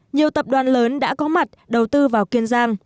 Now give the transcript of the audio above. nhiều tập đoàn lớn đã có mặt đầu tư vào kiên giang